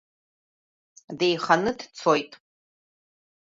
Деиханы дцоит.